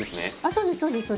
そうですそうです。